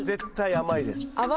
甘いです。